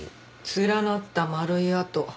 連なった丸い痕。